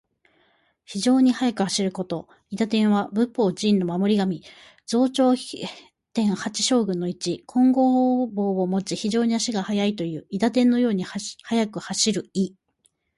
非常に速く走ること。「韋駄天」は仏法・寺院の守り神。増長天八将軍の一。金剛杵をもち、非常に足が速いという。韋駄天のように速く走る意。